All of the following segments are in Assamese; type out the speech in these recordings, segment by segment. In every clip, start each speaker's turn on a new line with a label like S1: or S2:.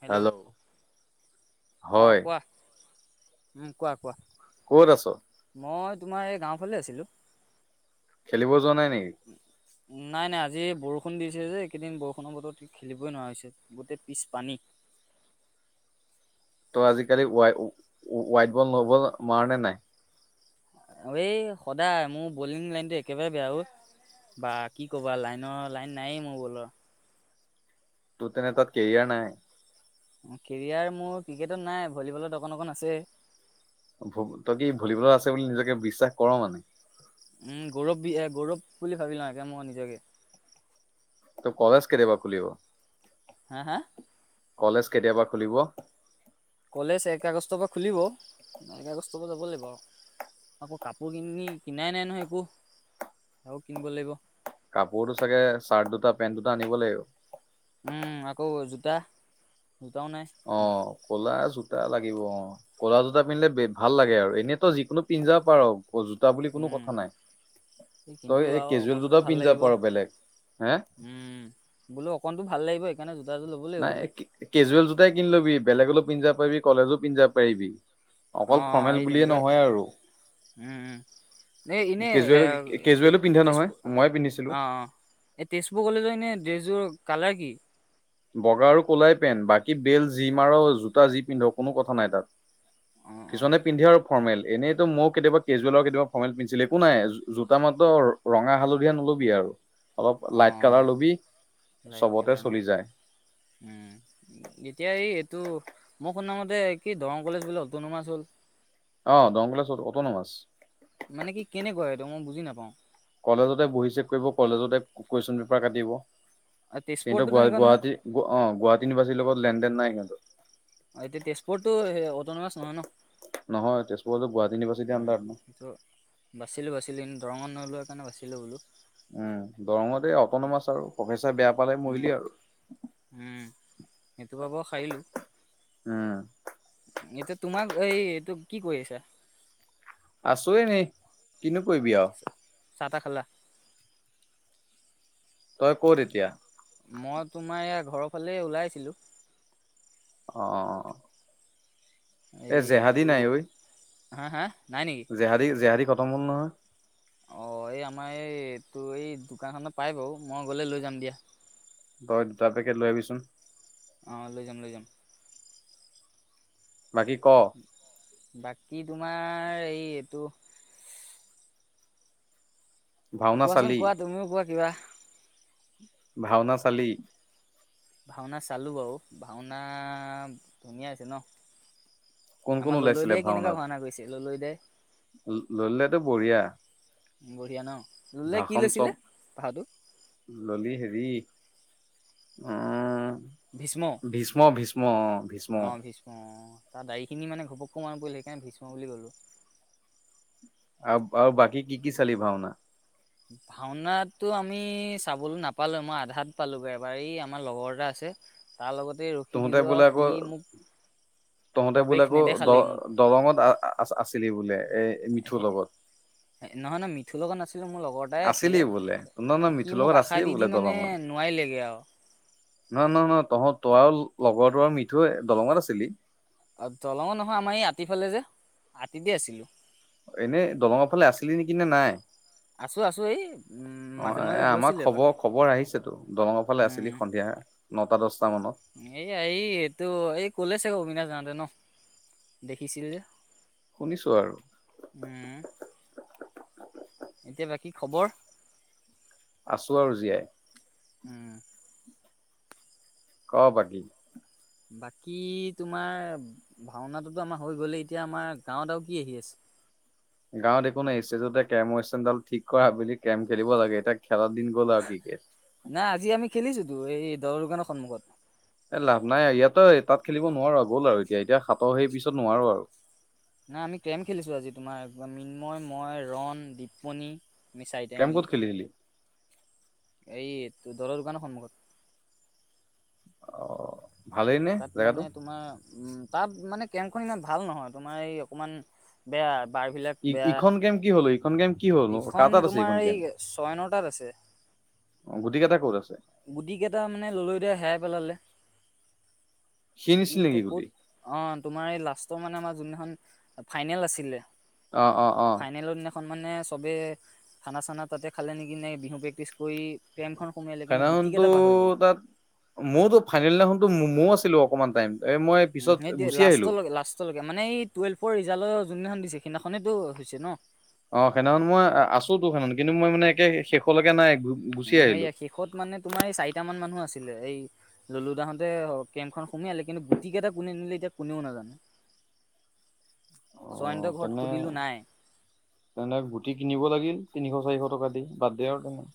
S1: হেল্ল' অঁ
S2: হয়
S1: কোৱা? কোৱা, কোৱা?
S2: ক'ত আছ?
S1: মই তোমাৰ এই গাঁওফালে আছিলোঁ।
S2: খেলিব যোৱা নাই- নেকি?
S1: নাই, নাই। আজি বৰষুণ দিছে যে এইকেইদিন বৰষুণৰ বতৰত খেলিবই নোৱাৰিছো। গোটেই পিছ পানী।
S2: ত' আজিকালি ৱাই, ৱাইট বল নব মাৰণে নাই?
S1: এই সদায় মোৰ বলিং লাইনটো একেবাৰে বেয়া ঐ। বা' কি ক'বা লাইনৰ লাইন নায়েই মোৰ বলৰ।
S2: তোৰ তেনে তা'ত কেৰিয়াৰ নাই।
S1: কেৰিয়াৰ মোৰ ক্ৰিকেটত নাই। ভলীবলত অকণ, অকণ আছে।
S2: তই কি ভলীবলত আছে বুলি নিজকে বিশ্বাস কৰ মানে।
S1: উম' গৌৰৱ বি এ' গৌৰৱ বুলি ভাবি লওঁ এ মই নিজকে।
S2: ত' কলেজ কেতিয়া পৰা খুলিব?
S1: হা হা।
S2: কলেজ কেতিয়া পৰা খুলিব?
S1: কলেজ এক আগষ্টৰ পৰা খুলিব। এক আগষ্টৰ পৰা যাব লাগিব আৰু। আকৌ কাপোৰ কিনি, কিনাই নাই নহয় একো। আৰু কিনিব লাগিব।
S2: কাপোৰ টো চাগে চাৰ্ট দুটা, পেন্ট দুটা আনিব লাগিব।
S1: উম' আকৌ জোতা। দুটাও নাই
S2: অঁ কলা জোতা লাগিব অঁ। ক'লা জোতা পিন্ধেলে ভাল লাগে আৰু। এনেই- তই যিকোনো পিন্ধি জাব পাৰ জোতা বুলি কোনো
S1: উম
S2: কথা নাই।
S1: কিন্তু
S2: তই এই
S1: আৰু
S2: কেজুৱেল
S1: অকণতো
S2: জোতাও
S1: ভাল
S2: পিন্ধি জাব
S1: লাগিব
S2: পাৰ বেলেগ।
S1: উম বোলো অকণতো [unintelligible] লাগিব
S2: নাই'
S1: বোলো
S2: কেজুৱেল জোতাই কিনি লবি। বেলেক গলো পিন্ধি জাব পাৰিবি কলেজো পিন্ধি জাব পাৰিবি। অকল
S1: অ' অ'
S2: ফৰ্মেল
S1: এই
S2: বুলিয়ে
S1: তেনেকুৱাই।
S2: নহয় আৰু
S1: উম উম, এই এনেই এ
S2: কেজুৱেল কেজুৱেলো পিন্ধে নহয়
S1: তেজপুৰ
S2: ময়ে পিন্ধিছিলো
S1: অ' অ' এই তেজপুৰ কলেজৰ এনেই ড্ৰেছযোৰ। কালাৰ কি?
S2: বগা আৰু ক'লাই পেণ্ট, বাকী বেল্ট যি মাৰ, জোতা যি পিন্ধ কোনো কথা নাই তাত।
S1: অ অ
S2: কিছুমানে পিন্ধে আৰু। ফৰ্মেল। এনেইতো মইয়ো কেতিয়াবা কেজুৱেল আৰু কেতিয়াবা ফৰ্মেল পিন্ধছিলো। একো নাই, জোতা মাত্ৰ ৰঙা হালধীয়া নল'বি আৰু! অলপ
S1: অ
S2: লাইট কালাৰ ল'বি
S1: লাইট কালাৰ
S2: চবতে
S1: ন
S2: চলি যায়।
S1: উম, এতিয়া এই, এইটো মই শুনামতে কি দৰং কলেজ বোলে অটোনমাছ হ'ল!
S2: অ' দৰং কলেজ অটন'মাছ
S1: মানে কি কেনেকুৱা এইটো মই বুজি নাপাওঁ।
S2: কলেজতে বহি চেক কৰিব কলেজতে কু-কুৱেশ্যন পেপাৰ কাটিব।
S1: তেজপুৰতো
S2: কিন্তু
S1: তেনেকুৱা নহয়
S2: গুৱাহাটী অ' গুৱাহাটী ইউনিভাৰ্চিটি লগত লেন-দেন নাই সিহঁতৰ।
S1: এতিয়া তেজপুৰতটো অটন'মাছ নহয় ন?
S2: নহয় তেজপুৰতো গুৱাহাটী ইউনিভাৰ্চিটিৰ আণ্ডাৰত ন
S1: বাচিলো বাচিলো, এ দৰঙত [unintelligible] মানে বাছিলো বোলো।
S2: উম, দৰঙতে এই অটন'মাছ আৰু, প্ৰফেচাৰ বেয়া পালে
S1: উম
S2: মৰিলি আৰু।
S1: উম সেইটো পৰা বাৰু সাৰিলোঁ
S2: উম।
S1: এতিয়া তোমাক এই, এইটো কি কৰি আছা?
S2: আছো এনে, কিনো কৰিবি আও!
S1: চাহ-তাহ খালা?
S2: তই ক'ত এতিয়া?
S1: মই তোমাৰ এয়া ঘৰৰফালে ওলাইছিলো।
S2: অ' অ' অ'। এ
S1: এই
S2: জেহাদী
S1: এইটো
S2: নাই ঐ।
S1: হা হা! নাই নেকি
S2: জেহাদী জেহাদী ক'ত? খটম হ'ল নহয়
S1: অ' এই আমাৰ এইটোৰ, এই দোকানখনত পাই বাৰু। মই গ'লে লৈ যাম দিয়া।
S2: তই দুটা পেকেট লৈ আহিবিচোন।
S1: অ' লৈ যাম লৈ যাম।
S2: বাকী ক
S1: বাকী তোমাৰ? আমাৰ এই-এইটো।
S2: ভাওনা
S1: কোৱাচোন
S2: চালি
S1: কোৱা। তুমিও কোৱা কিবা?
S2: ভাওনা চালি?
S1: ভাওনা চালোঁ বাৰু, ভাওনা ধুনীয়া হৈছে ন?
S2: কোন কোন
S1: আমাৰ ললৈ
S2: ওলাইছিলে
S1: দাই কেনেকুৱা
S2: ভাওনাত?
S1: ভাওনা কৰিছে ললৈ দাই
S2: ললৈদাটো বঢ়িয়া।
S1: বঢ়িয়া ন? লোলে কি
S2: ভাষণ
S1: লৈছিলে
S2: চব,
S1: পাহৰটো
S2: ললি হেৰি। উম
S1: ভীষ্ম
S2: ভীষ্ম ভীষ্ম অ ভীষ্ম
S1: অ অ তাৰ দাড়ীখিনি মানে ঘপককো মাৰ পৰিল সেইকাৰণে ভীষ্মৰ বুলি গ'লো [unintelligible]
S2: আৰু আৰু বাকী কি কি চালি ভাওনা [unintelligible]
S1: ভাওনটো আমি চাবলৈ নাপালো মই আধাত পালোগে এবাৰ এই আমাৰ লগৰ এটা আছে তাৰ লগত [unintelligible] তে ৰখি
S2: তহঁতে
S1: দিলো
S2: বোলে
S1: আৰু
S2: আকৌ
S1: সি মোক
S2: তহঁতে বোলে
S1: প্ৰৱেশ
S2: আকৌ দ
S1: নেদেখালেই মোক
S2: দৰঙত আছিলি বোলে এ মিঠুৰ লগত
S1: নহয় নহয় মিঠুৰ লগত নাছিলো মোৰ লগৰটাই
S2: আছিলি
S1: আছিলে
S2: বোলে ন ন
S1: সি
S2: মিঠুৰ
S1: মোক
S2: লগত
S1: আশা
S2: আছিলি
S1: দি
S2: বোলে
S1: দি মানে
S2: দলঙত
S1: নোৱাৰিলেগে আৰু
S2: নহয় নহয় নহয় তহঁত তই আৰু লগৰটো আৰু মিঠৈ দলঙত আছিলি [unintelligible]
S1: অ দলঙত নহয় আমাৰ এই আতি ফালে যে আতিতে [unintelligible] আছিলো
S2: এনেই দলঙৰ ফালে আছিলি নেকি নে নাই
S1: আছো আছো এই উম
S2: অ
S1: মাজে
S2: এ
S1: মাজে
S2: আমাৰ
S1: গৈছিলে এব
S2: খবৰ খবৰ আহিছেতো দলঙৰ ফালে আছিলি
S1: উম
S2: সন্ধিয়া নটা দছটা মানত
S1: এই এই এইটো এই কলে চ অবিনাশ জন [unintelligible] ন দেখিছিল যে
S2: শুনিছো আৰু
S1: উম এতিয়া বাকী খবৰ
S2: জিয়াই
S1: উম
S2: ক বাকী
S1: বাকী তোমাৰ ভাওনাটোতো আমাৰ হৈ গ'লে এতিয়া আমাৰ গাঁৱত আৰু কি আহি আছে [unintelligible]
S2: গাঁৱত একো নাই ষ্টেজতে কেম ষ্টেণ্ডাল ঠিক কৰা বুলি কেম খেলিব লাগে এতিয়া [unintelligible] খেলাৰ দিন গ'ল আৰু কিকেট
S1: খেলিছো তো এই দৰৰ দোকানৰ সন্মুখত
S2: এ লাভ নাই ইয়াতো তাত খেলিব নোৱাৰো গ'ল আৰু এতিয়া এতিয়া সাতৰ সেই পিছত নোৱাৰো আৰু [unintelligible]
S1: নাই আমি কেম খেলিছো আজি তোমাৰ মিন্ময় ময় ৰন দপ্পণী [unintelligible] চাৰিটাই
S2: কেম ক'ত
S1: মিলি
S2: খেলিছিলি
S1: এই তোৰ দলৰ দোকানৰ সন্মুখত
S2: অ ভালেই নে
S1: তাত
S2: জেগাটো
S1: মানে তোমাৰ উম তাত মানে কেম্পখন ইমান ভাল নহয় তোমাৰ এই অকমান বেয়া [unintelligible] বাৰবিলাক
S2: ই ইখন গেম কি হ'ল ইখন গেম কি হ'ল
S1: বেয়া
S2: নো? কাৰ
S1: এইখন
S2: তাত আছে এইখন
S1: তোমাৰ
S2: গেম
S1: এই ছয় নটাত আছে [unintelligible]
S2: অ গুটিকেইটা ক'ত আছে
S1: গুটিকেইটা মানে ল'লৈ দিয়া হেৰাই পেলালে
S2: সি
S1: সি
S2: নিছিল নেকি
S1: এতিয়া
S2: গুটি
S1: ক'ত অ তোমাৰ এই লাষ্টৰ মানে আমাৰ যোনদিনাখন [unintelligible] ফাইনেল আছিলে
S2: অ অ অ
S1: এখন মানে চবেই খানা চানা তাতে খালে নিকনে বিহু প্ৰেক্টিচ কৰি [unintelligible] সোমিয়ালে কিন্তু
S2: ফাইনো
S1: গুটি
S2: টো
S1: কেইটা পাহৰি গ'ল
S2: তাত মইতো ফাইনেল দিনাখনো ময়ও আছিলো। অকমান টাইম এ মই
S1: উ
S2: পিছত
S1: সেইটো
S2: গুচি আহিলো
S1: লাষ্টলেকে লাষ্টলেকে মানে এই টুৱেল্ভৰ ৰিজালৰ যোনদিনাখন দিছে সেইদিনাখনেতো হৈছে ন?
S2: অ সেইদিনাখন মই আছো তো সেইনাখন কিন্তু মই মানে একে শেষলেকে নাই। গুচি
S1: উম
S2: আহিলো
S1: সেইয়া শেষত মানে তোমাৰ এই চাৰিটা মান মানুহ আছে। ছিলে এই ললুদাহতে কেম্পখন সুমি আহিলে কিন্তু গুট কেইটা কোনে নিলে এতিয়া কোনেও নাজানে!
S2: অ
S1: জয়ন্তৰ ঘৰত
S2: তেনে
S1: সুধিলো নাই
S2: তেনে গুটি কিনিব লাগিল তিনিশ চাৰিশ টকা দি বাদ দে আও তেনে।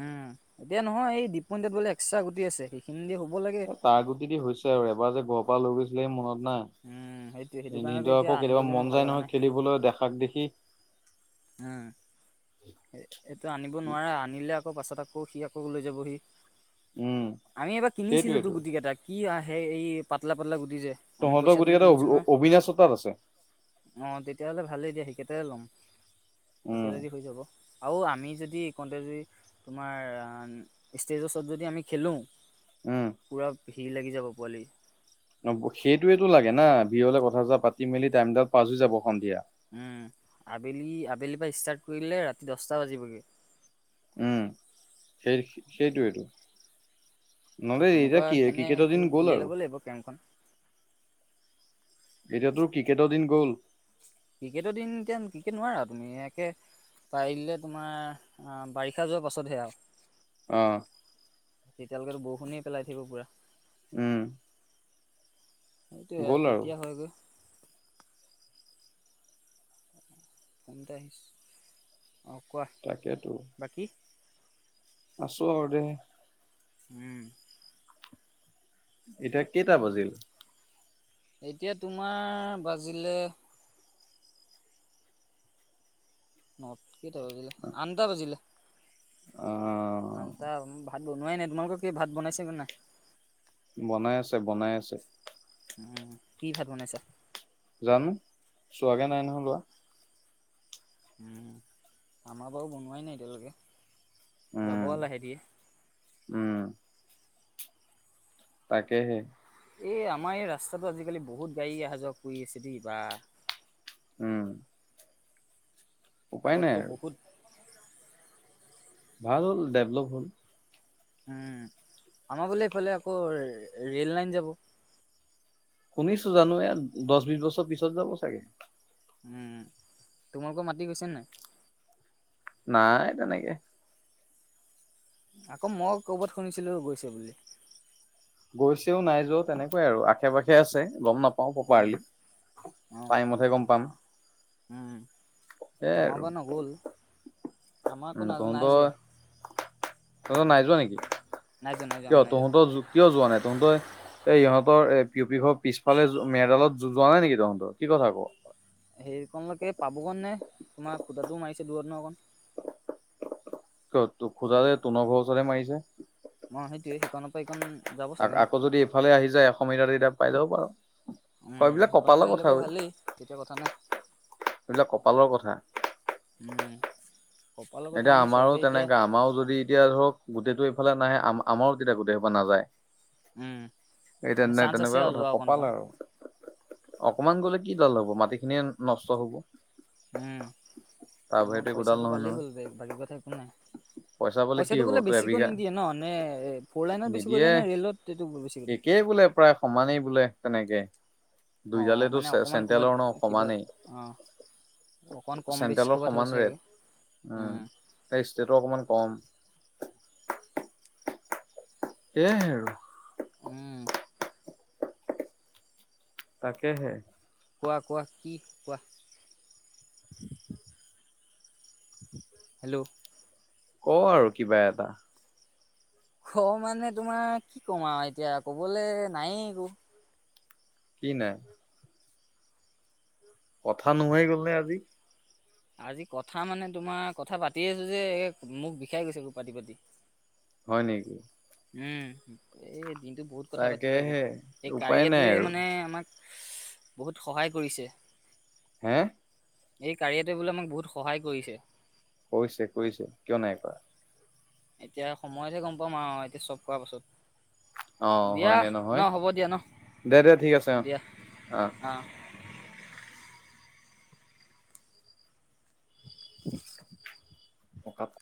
S1: উম এতিয়া নহয় এই দিপইনত বোলে এক্সট্ৰা গুটি আছে সেইখিনি লাগে।
S2: এ তাৰ গুটি দি হৈছে আৰু এবাৰ যে গ প লৈ গৈছিলে মনত নাই?
S1: উম, সেইটোৱে সেইটো
S2: এনেই
S1: কাৰণেতো
S2: টো
S1: এতিয়া
S2: আকৌ কেতিয়াবা
S1: আনিবলৈ ইমান
S2: মন
S1: ভাল
S2: যায়
S1: লগা
S2: নহয়
S1: নাই।
S2: খেলিবলৈ দেখাক দেখি
S1: উম এইটো আনিব নোৱাৰে আনিলে আকৌ পাছত আকৌ সি আকৌ লৈ যাবহি।
S2: উম
S1: আমি এবাৰ কিনিছিলো তো
S2: সেইটোৱেইটো
S1: গুটি কেইটাক। কি আহে এই পাতলা পাতলা গু দি যে আমি
S2: তহঁতৰ
S1: পইচা
S2: গোটেই
S1: তুলি
S2: কেইটা
S1: কিনিছোঁ নহয়,
S2: অবিনাশৰ তাত আছে
S1: অঁ তেতিয়াহ'লে ভালেই দিয়া সেইিকেইটাই ল'ম। আছে
S2: উম
S1: যদি হৈ যাব। আৰু আমি যদি এই কওঁতে যদি তোমাৰ ষ্টেজৰওচৰত যদি আমি খেলো
S2: উম।
S1: ভিৰ লাগি যাব পোৱালি
S2: অ সেইটোয়েতটো লাগে না ভিৰহলে কথা চথা পাতি মেলি টাইমডাল পাছ হৈ যাব সন্ধিয়া।
S1: উম আবেলি আবেলিৰ পৰা ষ্টাৰ্ট কৰিলে ৰাতি দহটা বাজিবগে।
S2: উম সেই সেইটোইটো।
S1: সেই তেনেকুৱা সেইকাৰণে সেইটো উলিয়াই লব লাগিব কেমখন।
S2: এতিয়া তোৰ ক্ৰিকেটৰ দিন গ'ল।
S1: ক্ৰিকেটৰ দিন এতিয়া ক্ৰিকেট নোৱাৰা আৰু তুমি একে পাৰিলে তোমাৰ বাৰিষা যোৱাৰ পাছতহে আও।
S2: অ।
S1: তেতিয়ালৈকেতো বৰষুণিয়ে পেলাই থাকিব পোৰা।
S2: উম।
S1: সেইটোয়ে আও
S2: গ'ল আৰু
S1: কেতিয়া হয় গৈ? ফোন এটা আহিছে অঁ কোৱা
S2: তাকেতো
S1: বাকী?
S2: আছো আৰু দে।
S1: উম।
S2: এতিয়া কেইটা বজিল?
S1: এতিয়া তোমাৰ বাজিলে নত কেইটা বাজিলে? আনটা বাজিলে।
S2: আহ
S1: আনথটা ভাত বনোৱাই নাই। তোমালোকৰ কি ভাত বনাইছগে নাই?
S2: বনাই আছে, বনাই আছে।
S1: কি ভাত বনাইছা?
S2: জানো চোৱাকে নাই নহয় লোৱা।
S1: আমাৰ বাৰু বনোৱাই নাই এতিয়ালৈকে। যাব
S2: উম
S1: লাহেকে।
S2: উম তাকেহে।
S1: এই আমাৰ এই ৰাস্তাটো আজিকালি বহুত গাড়ী আহা-যোৱা কৰি আছে দেই বা।
S2: উম। উপায় নাই
S1: আগতকৈ
S2: আৰু
S1: বহুত
S2: ভাল হ'ল, ডেভলপ হ'ল।
S1: আমাবলে এইফালে আকৌ ৰেল লাইন যাব।
S2: শুনিছো জানো। এ দছ-বিছ বছৰ পিছত যাব চাগে।
S1: উম তোমালোকৰ মাটি গৈছে নাই?
S2: নাই তেনেকে
S1: আকৌ মই ক'ৰবাত শুনিছিলোঁ গৈছে বুলি।
S2: গৈছেও, নাই যোৱাও তেনেকুৱাই আৰু আশে-পাশে আছে। গম নাপা পাওঁ
S1: উম
S2: প্ৰপাৰলি
S1: অ
S2: টাইমতহে গম
S1: অ
S2: পাম।
S1: উম
S2: সেইয়াই
S1: আমাৰ
S2: আৰু। উ
S1: বাৰু নগ'ল আমাৰ আকৌ না নাই যোৱা
S2: তহঁতৰ, তহঁতৰ নাই যো যোৱা নেকি?
S1: নাই যোৱা নাই যোৱা
S2: কিয়
S1: আমাৰ নাই যোৱা
S2: তহঁতৰ কিয় যোৱা নাই তহঁতই এই ইহঁতৰ এ পিউপি ঘৰৰ পিছফালে মেডালত যোৱা নাই নেকি তহঁতৰ কি কথা ক
S1: হেৰিকলৈকে পাব গৈ নে তোমাৰ খুদাটোও মাৰিছে দূৰত। বনবন [unintelligible]
S2: কত তোক সোধালে তনৰ ঘৰৰ ওচৰতহে মাৰিছে।
S1: অ সেইটোয়ে। সেইকণৰ পৰা এইকণ যাব
S2: আ
S1: চাগে ন
S2: আকৌ যদি ইফালে আহি যায়। এশ মিটাৰ এতিয়া পাই যাব পাৰ।
S1: উম
S2: এইবিলাক
S1: সেইকণলৈকে
S2: কপালৰ
S1: আহিলে
S2: কথা
S1: বাৰু
S2: অই।
S1: ভালেই তেতিয়া কথা নাই
S2: এইলাক কপালৰ কথা।
S1: উম। কপালৰ কথা
S2: এতিয়া
S1: মানে
S2: আমাৰো
S1: চবেই এতিয়া
S2: তেনেকা। আমাৰো যদি এতিয়া ধৰক গোটেইটো এইফালে নাই আম আমাৰো তেতিয়া গোতেই সোপা
S1: উম
S2: নাযায়। এই
S1: মানে
S2: তেনে
S1: চান্স আছে
S2: তেনেকুৱা
S1: আৰু
S2: কথা।
S1: যোৱা অকণ
S2: কপাল
S1: অকণ
S2: আৰু অকণমান গ'লে কি দাল হ'ব, মাটি খিনিয়ে নষ্ট হ'ব।
S1: উম,
S2: তাৰ
S1: তোমাৰ
S2: বাহিৰেতো একোডাল
S1: পইচাটো
S2: নহয়
S1: পালেই
S2: নহয়
S1: হ'ল দে। বাকী কথা একো নাই,
S2: পইচা পালে কি
S1: পইচাটো
S2: হ'ব
S1: বোলে
S2: তোৰ
S1: বেছিকৈ
S2: এবিঘা
S1: নিদিয়ে ন, নে ফ'ৰ লাইনত বেছিকৈ
S2: নিদিয়ে
S1: দিয়ে নে ৰে'লত এইটো বেছিকে দিয়ে।
S2: একে।
S1: অঁ অঁ মানে অকণমান ক'বাত কিবা,
S2: সমানেই
S1: অঁ, অকণ কম বেছ
S2: চেন্ট্ৰেলৰ
S1: ক'বাত হয়
S2: সমান ৰেট
S1: ছাগে।
S2: উম এই ষ্টেটৰ অকমান কম। এইহে আৰু।
S1: উম।
S2: তাকেহে।
S1: কোৱা কোৱা, কি কোৱা? হেল্ল'।
S2: ক আৰু কিবা এটা।
S1: ক মানে তোমাৰ কি কম আউ এতিয়া কবলে নায়ে একো।
S2: কি নাই। কথা নুহাই গ'ল নে আজি।
S1: আজি কথা মানে তোমাৰ কথা পাতিয়ে আছো যে, মুখ বিষাই গৈছেগৈ পাতি পাতি।
S2: হয় নেকি।
S1: উম। দিনটোত বহুত কথা পাতিলো আজি।
S2: তাকেহে
S1: এই
S2: উপায়
S1: কাৰিয়া
S2: নাই
S1: টোৱে
S2: আৰু
S1: মানে আমাক। বহুত সহায় কৰিছে।
S2: হে।
S1: এই কাৰীয়াটোৱে বোলে আমাক বহুত সহায় কৰিছে।
S2: কৈছে কৈছে, কিয় নাই কৰা।
S1: এতিয়া সময়তহে গম পাম আউ, এতিয়া চব কৰা পাছত।
S2: অ
S1: দিয়া
S2: হয়নে
S1: ন
S2: নহয়,
S1: হ'ব দিয়া ন
S2: দে দে ঠিক আছে অ,
S1: দিয়া
S2: অহ।
S1: অ'। [unintelligible]
S2: অকাত।